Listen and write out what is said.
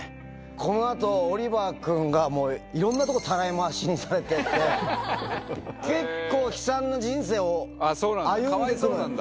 このあと、オリバー君が、もういろんな所たらい回しにされていて、かわいそうなんだ？